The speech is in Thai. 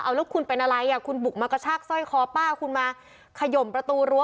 แล้วคุณเป็นอะไรอ่ะคุณบุกมากระชากสร้อยคอป้าคุณมาขยมประตูรั้ว